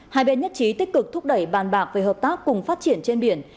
hai bên nhất trí tích cực thúc đẩy bàn bạc về hợp tác cùng phát triển trên biển